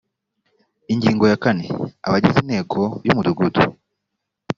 ingingo ya kane abagize inteko y umudugudu